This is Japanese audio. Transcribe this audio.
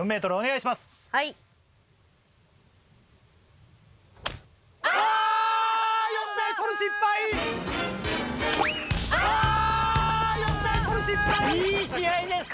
いい試合です。